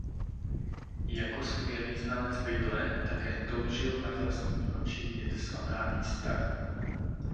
Jako skvělý znalec Bible také toužil na vlastní oči vidět svatá místa.